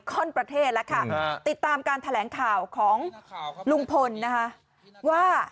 ข้อนประเทศแล้วค่ะติดตามการแถลงข่าวของลุงพลนะคะว่า